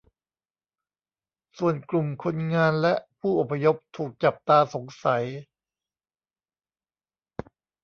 ส่วนกลุ่มคนงานและผู้อพยพถูกจับตาสงสัย